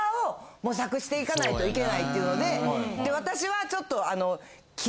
していかないといけないっていうので私はちょっと。